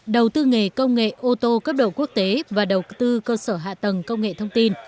đầu tư nghề công nghệ ô tô cấp độ quốc tế và đầu tư cơ sở hạ tầng công nghệ thông tin